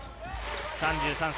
３３歳。